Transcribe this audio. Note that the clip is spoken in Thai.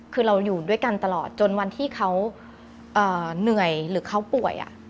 คือเราอยู่ด้วยกันตลอดจนวันที่เขาเหนื่อยหรือเขาป่วย